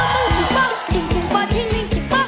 ปล้องปล้องปล้องมองชิงปะจริงจริงป่อจริงนิ่งจริงป่อ